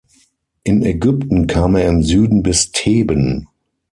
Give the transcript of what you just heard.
In Ägypten kam er im Süden bis Theben.